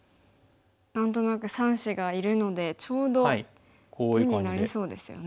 何となく３子がいるのでちょうど地になりそうですよね。